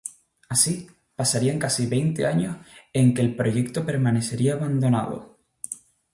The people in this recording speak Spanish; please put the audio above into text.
Así, pasarían casi veinte años en que el proyecto permanecería abandonado.